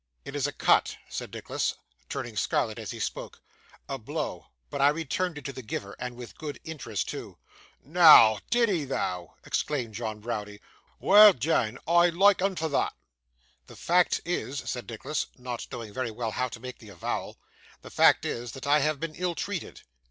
'It is a cut,' said Nicholas, turning scarlet as he spoke, 'a blow; but I returned it to the giver, and with good interest too.' 'Noa, did 'ee though?' exclaimed John Browdie. 'Well deane! I loike 'un for thot.' 'The fact is,' said Nicholas, not very well knowing how to make the avowal, 'the fact is, that I have been ill treated.